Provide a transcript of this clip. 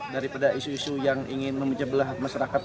daripada isu isu yang ingin memecah belah masyarakat